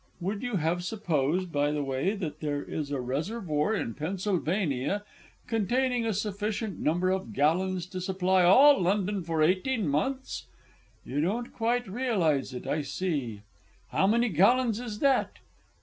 Would you have supposed, by the way, that there is a reservoir in Pennsylvania containing a sufficient number of gallons to supply all London for eighteen months? You don't quite realize it, I see. "How many gallons is that?"